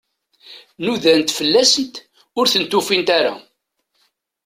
Nudant fell-asent, ur tent-ufint ara.